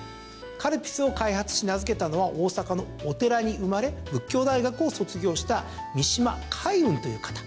カルピスを開発し、名付けたのは大阪のお寺に生まれ仏教大学を卒業した三島海雲という方。